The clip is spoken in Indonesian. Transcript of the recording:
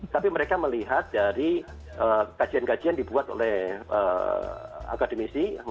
tapi mereka melihat dari kajian kajian dibuat oleh akademisi